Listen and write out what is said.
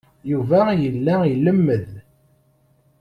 Yuba yella ilemmed.